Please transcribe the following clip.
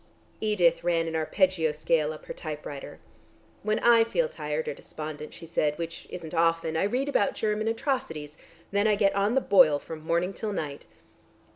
Edith ran an arpeggio scale up her typewriter. "When I feel tired or despondent," she said, "which isn't often, I read about German atrocities. Then I get on the boil from morning till night."